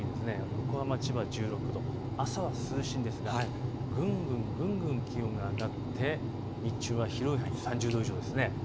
横浜、千葉１６度、朝は涼しいんですがぐんぐん気温が上がって日中は広い範囲、３０度以上です。